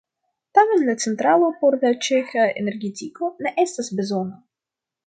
Tamen la centralo por la ĉeĥa energetiko ne estas bezona.